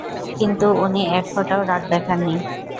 কিন্তু উনি এক ফোঁটাও রাগ দেখাননি।